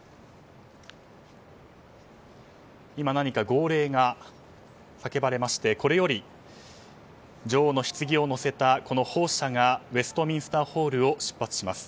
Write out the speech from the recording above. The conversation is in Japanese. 今、何か号令がかけられましてこれより女王のひつぎを載せた砲車がウェストミンスターホールを出発します。